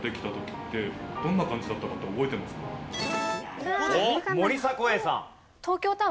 おっ森迫永依さん。